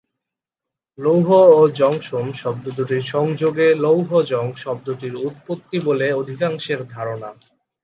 লৌহ ও জংশন শব্দ দু’টির সংযোগে লৌহজং শব্দটির উৎপত্তি বলে অধিকাংশের ধারণা।